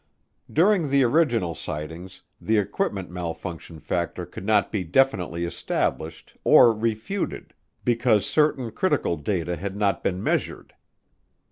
During the original sightings the equipment malfunction factor could not be definitely established or refuted because certain critical data had not been measured.